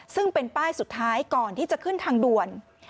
ซึ่งเป็นป้ายสุดท้ายก่อนที่จะขึ้นทางด่วน